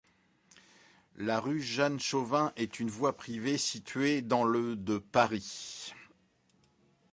La rue Jeanne-Chauvin est une voie privée située dans le de Paris.